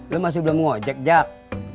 lo masih belum mengojek jak